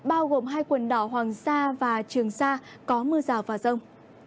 bao gồm hai quần đảo hoàng sa và trường sa có mưa rào và rông